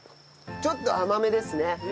ちょっと甘めですね。